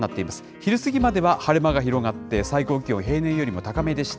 昼過ぎまでは晴れ間が広がって、最高気温平年よりも高めでした。